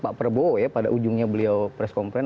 pak prabowo ya pada ujungnya beliau press conference